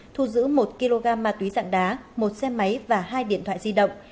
thu giữ một kg ma túy dạng đá một xe máy và hai điện thoại di động